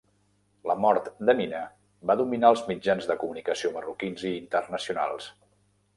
La mort d'Amina va dominar els mitjans de comunicació marroquins i internacionals.